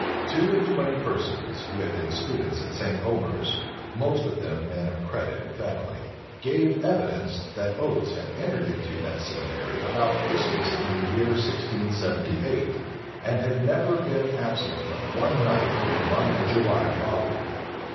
Two and twenty persons, who had been students at St. Omers, most of them men of credit and family, gave evidence, that Oates had entered into that seminary about Christmas in the year 1678, and had never been absent but one night till the month of July following.